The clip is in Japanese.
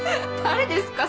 誰ですか？